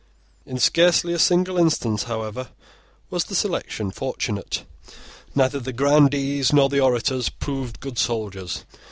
In scarcely a single instance, however, was the selection fortunate. Neither the grandees nor the orators proved good soldiers.